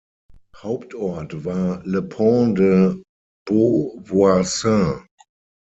Hauptort war Le Pont-de-Beauvoisin.